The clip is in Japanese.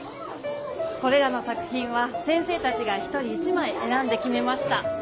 これらの作品は先生たちが一人一まいえらんできめました。